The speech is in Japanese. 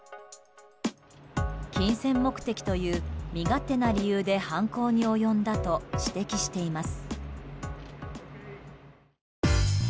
金銭目的という身勝手な理由で犯行に及んだと指摘しています。